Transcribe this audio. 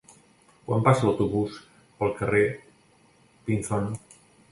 Quan passa l'autobús pel carrer Pinzón?